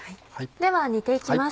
では煮ていきます。